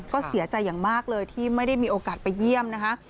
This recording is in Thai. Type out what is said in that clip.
ก็เสียใจอย่างมากเลยที่ไม่ได้มีโอกาสไปเยี่ยมนะคะ